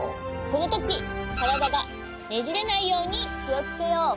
このときからだがねじれないようにきをつけよう。